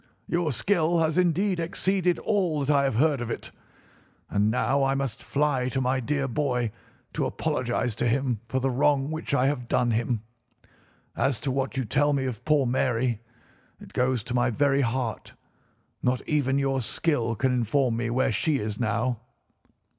Your skill has indeed exceeded all that I have heard of it. And now I must fly to my dear boy to apologise to him for the wrong which I have done him. As to what you tell me of poor Mary, it goes to my very heart. Not even your skill can inform me where she is now."